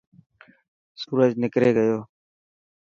سورج نڪري گيو.